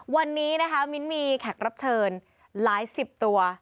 วันนี้นะคะมิ้นมีแขกรับเชิญหลายสิบตัว